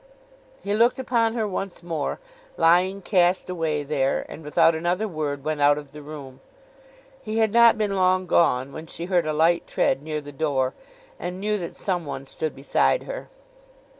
He looked upon her once more, lying cast away there; and without another word went out of the room. He had not been long gone, when she heard a light tread near the door, and knew that some one stood beside her.